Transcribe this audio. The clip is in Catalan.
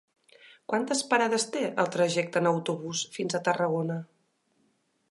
Quantes parades té el trajecte en autobús fins a Tarragona?